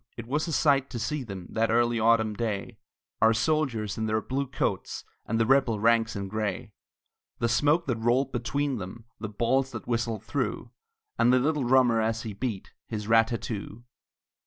It was a sight to see them, That early autumn day, Our soldiers in their blue coats, And the rebel ranks in gray; The smoke that rolled between them, The balls that whistled through, And the little drummer as he beat His rat tat too!